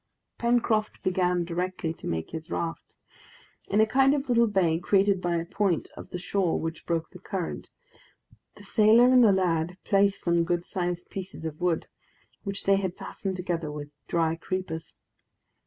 Pencroft began directly to make his raft. In a kind of little bay, created by a point of the shore which broke the current, the sailor and the lad placed some good sized pieces of wood, which they had fastened together with dry creepers.